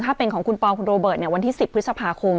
ถ้าเป็นของคุณปอลคุณโรเบิร์ตวันที่๑๐พฤษภาคม